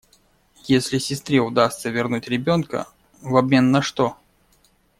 Если сестре удастся вернуть ребенка… В обмен на что?